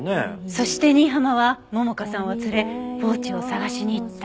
そして新浜は桃香さんを連れポーチを捜しに行った。